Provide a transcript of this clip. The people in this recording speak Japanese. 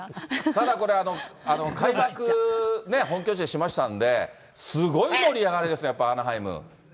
ただこれ、開幕ね、本拠地でしましたんで、すごい盛り上がりですね、やっぱりアナハイム。